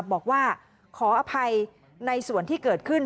บอกว่าขออภัยในส่วนที่เกิดขึ้น